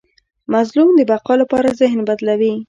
مظلوم د بقا لپاره ذهن بدلوي.